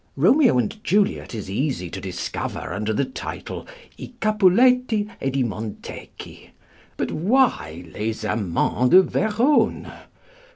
Romeo and Juliet is easy to discover under the title I Capuletti ed i Montecchi; but why Les Amants de Verone?